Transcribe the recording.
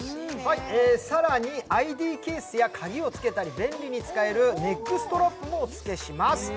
更に、ＩＤケースや鍵をつけたり、便利に使えるネックストラップもおつけします。